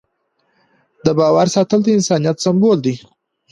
د باور ساتل د انسانیت سمبول دی.